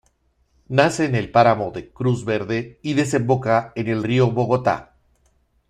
Nace en el páramo de Cruz Verde y desemboca en el río Bogotá.